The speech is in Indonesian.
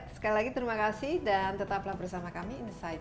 sekali lagi terima kasih dan tetaplah bersama kami insight